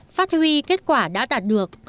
phát huy kết quả đã đạt được